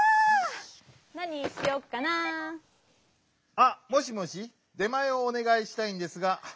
あもしもし出まえをおねがいしたいんですが。